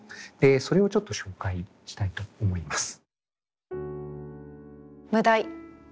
それをちょっと紹介したいと思います。